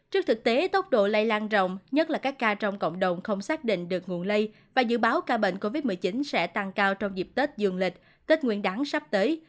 trước thực tế tốc độ lây lan rộng nhất là các ca trong cộng đồng không xác định được nguồn lây và dự báo ca bệnh covid một mươi chín sẽ tăng cao trong dịp tết dương lịch tết nguyên đáng sắp tới